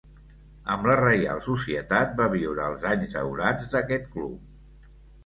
Amb la Reial Societat va viure els anys daurats d'aquest club.